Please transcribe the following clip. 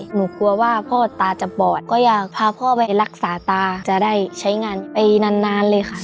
หนูกลัวว่าพ่อตาจะปอดก็อยากพาพ่อไปรักษาตาจะได้ใช้งานไปนานนานเลยค่ะ